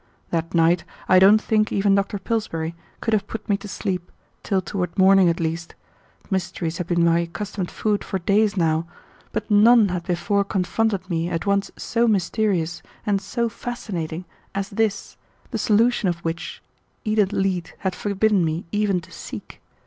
That night I don't think even Dr. Pillsbury could have put me to sleep, till toward morning at least. Mysteries had been my accustomed food for days now, but none had before confronted me at once so mysterious and so fascinating as this, the solution of which Edith Leete had forbidden me even to seek.